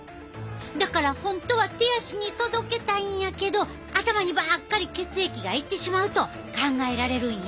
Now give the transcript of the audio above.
だから本当は手足に届けたいんやけど頭にばっかり血液が行ってしまうと考えられるんや。